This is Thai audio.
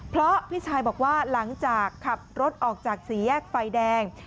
เพราะพี่ชายบอกว่าหลังจากขับรถออกจากสี่แยกไฟแดง